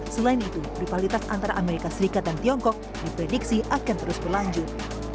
selain itu rivalitas antara amerika serikat dan tiongkok diprediksi akan terus berlanjut